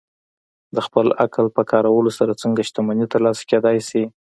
د خپل عقل په کارولو سره څنګه شتمني ترلاسه کېدای شي؟